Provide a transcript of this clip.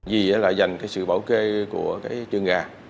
vì là dành sự bảo kê của trường gà